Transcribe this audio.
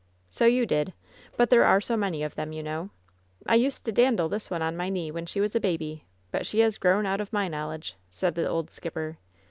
"So you did! But there are so many of them, you know! I used to dandle this one on my knee when she was a baby; but she has grown out of my knowledge!" said the old skipper.